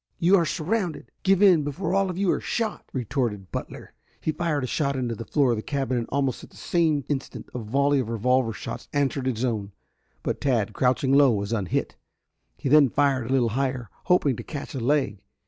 "You are surrounded. Give in before all of you are shot!" retorted Butler. He fired a shot into the floor of the cabin, and almost at the same instant a volley of revolver shots answered his own, but Tad, crouching low, was unhit. He then fired a little higher, hoping to catch a leg.